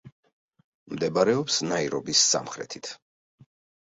მდებარეობს ნაირობის სამხრეთით.